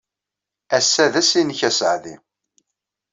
Ass-a d ass-nnek aseɛdi.